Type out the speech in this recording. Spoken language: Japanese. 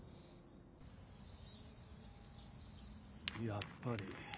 やっぱり。